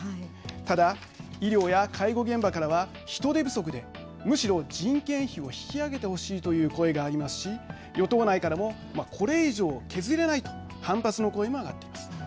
ただ医療や介護現場からは人手不足で、むしろ人件費を引き上げてほしいという声がありますし与党内からもこれ以上削れないと反発の声も上がってます。